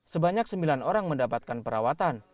sebanyak sembilan orang mendapatkan perawatan